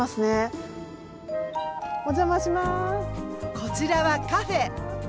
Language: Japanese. こちらはカフェ。